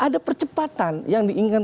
ada percepatan yang diinginkan